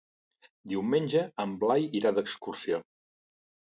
Diumenge en Blai irà d'excursió.